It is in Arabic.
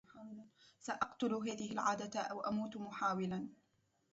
سأقتل هذه العادة أو أموت محاولا.